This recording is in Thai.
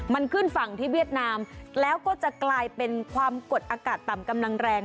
มันขึ้นฝั่งที่เวียดนามแล้วก็จะกลายเป็นความกดอากาศต่ำกำลังแรง